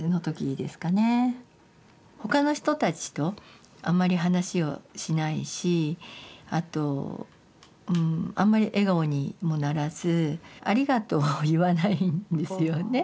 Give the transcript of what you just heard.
他の人たちとあんまり話をしないしあとうんあんまり笑顔にもならず「ありがとう」を言わないんですよね。